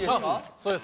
そうです。